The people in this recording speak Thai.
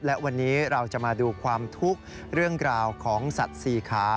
และวันนี้เราจะมาดูความทุกข์เรื่องราวของสัตว์สี่ขา